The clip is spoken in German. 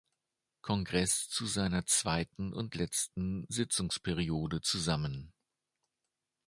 Kongress zu seiner zweiten und letzten Sitzungsperiode zusammen.